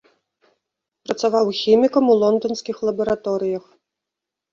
Працаваў хімікам у лонданскіх лабараторыях.